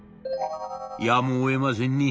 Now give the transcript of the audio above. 「やむをえませんね